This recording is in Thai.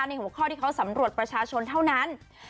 หัวข้อที่เขาสำรวจประชาชนเท่านั้น